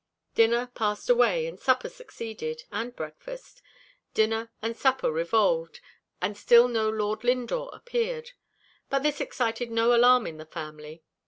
Dinner passed away, and supper succeeded, and breakfast; dinner and supper revolved, and still no Lord Lindore appeared. But this excited no alarm in the family.